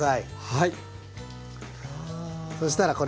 はい。